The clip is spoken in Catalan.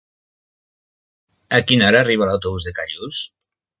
A quina hora arriba l'autobús de Callús?